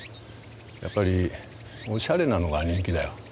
やっぱりおしゃれなのが人気だよ。